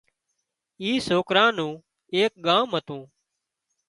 اِي سوڪرا نُون ايڪ ڳام مان